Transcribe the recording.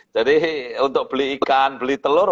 jadi untuk beli ikan beli telur